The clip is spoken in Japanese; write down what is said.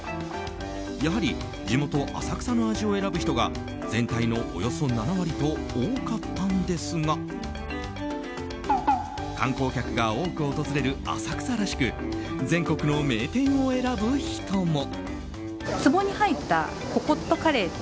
やはり地元・浅草の味を選ぶ人が全体のおよそ７割と多かったんですが観光客が多く訪れる浅草らしく全国の名店を選ぶ人も。